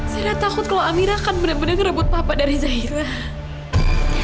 zairah takut kalau amirah akan benar benar ngerebut papa dari zairah